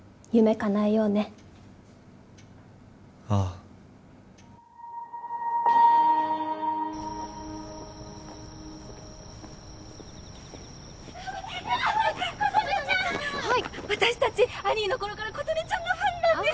かなえようねああ琴音ちゃんはい私達「アニー」の頃から琴音ちゃんのファンなんです